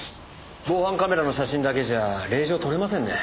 防犯カメラの写真だけじゃ令状取れませんね。